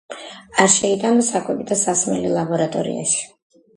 არ შეიტანო საკვები და სასმელი ლაბორატორიაში